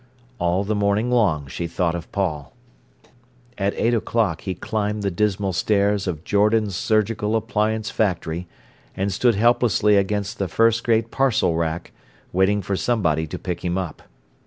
All the morning long she thought of Paul. At eight o'clock he climbed the dismal stairs of Jordan's Surgical Appliance Factory, and stood helplessly against the first great parcel rack, waiting for somebody to pick him up.